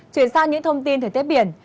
chuyển sang những thông tin thời tiết biển